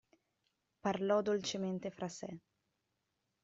Parlò dolcemente fra sè.